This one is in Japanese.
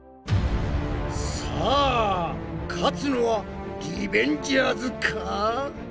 さあ勝つのはリベンジャーズか？